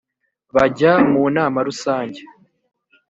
bajya mu nama rusange